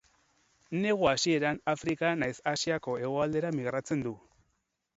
Negu hasieran Afrikara nahiz Asiako hegoaldera migratzen du.